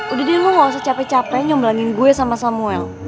udah dia mau secape cape nyomblangin gue sama samuel